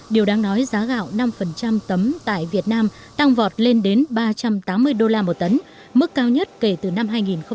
điều đáng nói giá gạo năm tấm tại việt nam tăng vọt lên đến ba trăm tám mươi đô la một tấn mức cao nhất kể từ năm hai nghìn một mươi